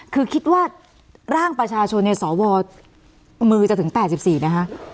คือคิดว่าร่างประชาชนเนี่ยสวมือจะถึง๘๔นะคะ